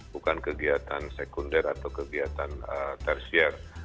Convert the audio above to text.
bukan kegiatan sekunder atau kegiatan tersier